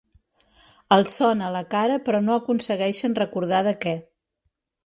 Els sona la cara, però no aconsegueixen recordar de què.